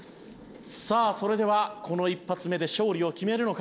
さあそれではこの１発目で勝利を決めるのか？